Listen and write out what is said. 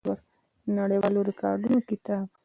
نړیوالو ریکارډونو کتاب